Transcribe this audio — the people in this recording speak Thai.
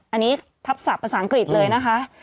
อันนี้ทับศัพท์ภาษาอังกฤษเลยนะคะ